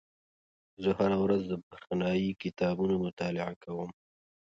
زه هره ورځ د بریښنایي کتابونو مطالعه کوم.